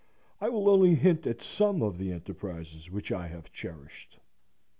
I will only hint at some of the enterprises which I have cherished.